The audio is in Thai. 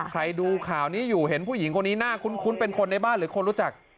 ใครดูข่าวนี้อยู่เห็นผู้หญิงคนนี้น่าคุ้นเป็นคนในบ้านหรือคนรู้จัก